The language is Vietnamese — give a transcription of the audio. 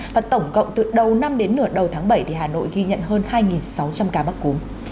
và tổng cộng từ đầu năm đến nửa đầu tháng bảy hà nội ghi nhận hơn hai sáu trăm linh cá mắc cúng